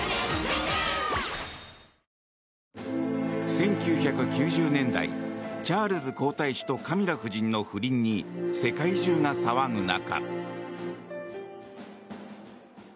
１９９０年代チャールズ皇太子とカミラ夫人の不倫に世界中が騒ぐ中。